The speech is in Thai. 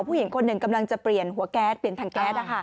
ผู้หญิงคนหนึ่งกำลังจะเปลี่ยนทางแก๊ส